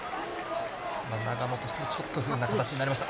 長野としてはちょっと不運な形になりました。